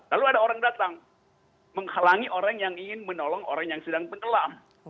lalu ada orang datang menghalangi orang yang ingin menolong orang yang sedang tenggelam